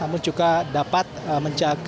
namun juga dapat menjaga secara peseluruhan masyarakat